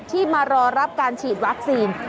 ที่มารอรับการฉีดวัคซีน